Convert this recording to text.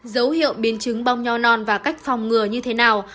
dấu hiệu biến chứng bong nho non và cách phòng ngừa như thế nào